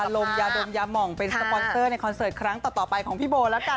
แหน่งนำยาลมยาดมยามหม่องเป็นสปอนเซอร์ในคอนเสิร์ตครั้งต่อไปของพี่โบล่ะกันนะคะ